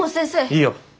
いいよ。